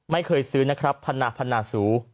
ไม่เคยซื้อนะครับพนาพนาสู